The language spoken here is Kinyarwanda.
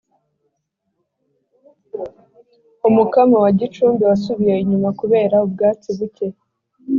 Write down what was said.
Umukamo wa Gicumbi wasubiye inyuma kubera ubwatsi buke